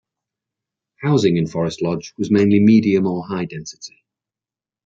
Housing in Forest Lodge was mainly medium or high density.